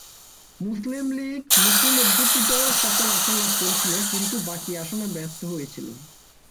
মুসলিম লীগ মুসলিম অধ্যুষিত সকল আসন লাভ করেছিল কিন্তু বাকী আসনে ব্যর্থ হয়েছিল।